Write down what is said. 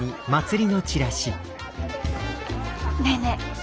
ねえねえ。